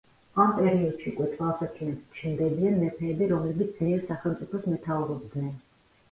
ამ პერიოდში უკვე თვალსაჩინოდ ჩნდებიან მეფეები, რომლებიც ძლიერ სახელმწიფოს მეთაურობდნენ.